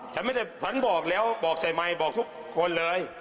ฉันบอกแล้วบอกใส่ไมค์บอกทุกคนเลย